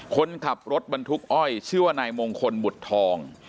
คนขับรถบรรทุกอ้อยชื่อว่านายมงคลบุตรทอง